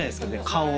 顔。